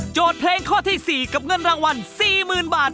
เพลงข้อที่๔กับเงินรางวัล๔๐๐๐บาท